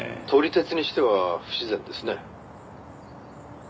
「撮り鉄にしては不自然ですね」